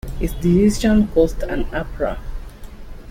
His decision caused an uproar.